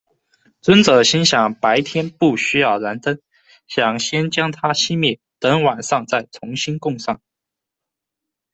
尊者心想：「白天不需要燃灯，想先将它熄灭，等晚上再重新供上。